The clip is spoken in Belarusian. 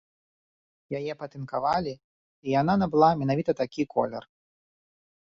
Яе патынкавалі, і яна набыла менавіта такі колер.